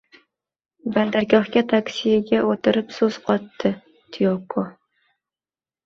Bandargohga, taksiga o`tirib so`z qotdi Tiyoko